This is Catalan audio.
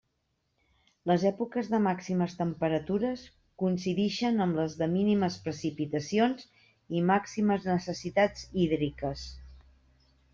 Les èpoques de màximes temperatures coincidixen amb les de mínimes precipitacions i màximes necessitats hídriques.